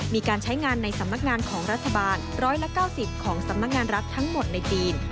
มีการใช้งานในสำนักงานของรัฐบาล๑๙๐ของสำนักงานรัฐทั้งหมดในจีน